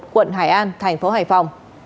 quận hải an thành phố hải phòng